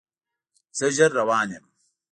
زه ژر روان یم